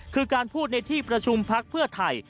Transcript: คือการพูดในที่ประชุมพักเพื่อไทย